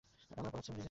আমায়ও পোড়াচ্ছে, ডিজ।